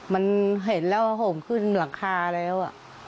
มันเห็นแล้วห่มขึ้นหลังคาแล้ว